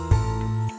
dari gita biksu